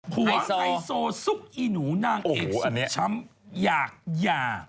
พวกไอโซซุ๊กอีหนูนางเอกสุกช่ำจ๊ากหญ่